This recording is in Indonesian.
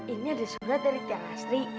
ini ada surat dari pihak asri